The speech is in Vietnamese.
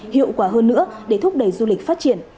hiệu quả hơn nữa để thúc đẩy du lịch phát triển